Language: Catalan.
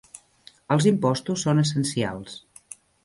Els impostos són essencials.